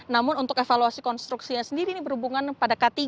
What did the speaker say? namun untuk evaluasi konstruksinya sendiri ini berhubungan pada k tiga